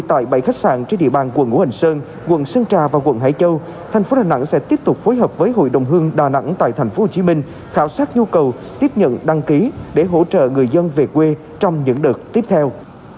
theo quận hải châu thành phố đà nẵng sẽ tiếp tục phối hợp với hội đồng hương đà nẵng tại thành phố hồ chí minh khảo sát nhu cầu tiếp nhận đăng ký để hỗ trợ người dân về quê trong những đợt tiếp theo